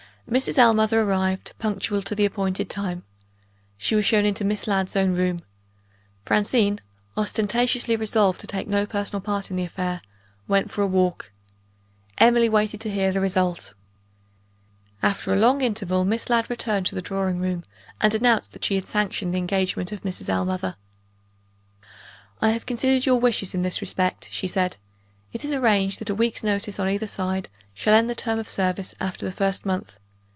Mrs. Ellmother arrived, punctual to the appointed time. She was shown into Miss Ladd's own room. Francine ostentatiously resolved to take no personal part in the affair went for a walk. Emily waited to hear the result. After a long interval, Miss Ladd returned to the drawing room, and announced that she had sanctioned the engagement of Mrs. Ellmother. "I have considered your wishes, in this respect," she said. "It is arranged that a week's notice, on either side, shall end the term of service, after the first month.